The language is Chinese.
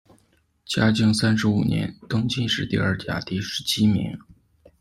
嘉靖三十五年，登进士第二甲第十七名。